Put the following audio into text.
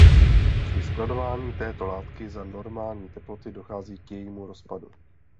Při skladování této látky za normální teploty dochází k jejímu rozpadu.